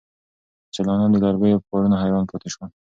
سیلانیان د لرګیو په کارونو حیران پاتې شول.